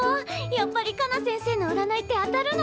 やっぱりカナ先生のうらないって当たるのかな？